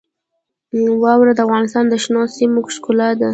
واوره د افغانستان د شنو سیمو ښکلا ده.